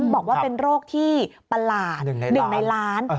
บอกว่าเป็นโรคที่ประหลาด๑ในล้าน